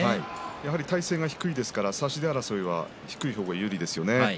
やはり体勢が低いですから差し手争いが低いのが有利ですね。